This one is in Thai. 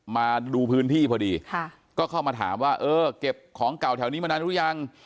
มาดูพื้นที่พอดีก็เข้ามาถามว่าเออเก็บของเก่าแถวนี้มานานหรือยัง